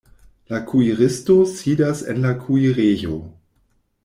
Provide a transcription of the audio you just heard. La kuiristo sidas en la kuirejo.